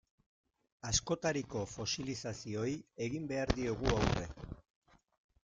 Askotariko fosilizazioei egin behar diegu aurre.